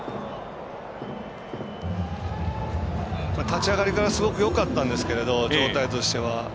立ち上がりからすごくよかったんですけど状態としては。